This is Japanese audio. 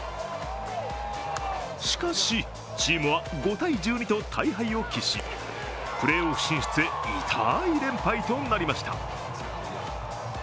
しかし、チームは５−１２と大敗を喫しプレーオフ進出へ痛い連敗となりました。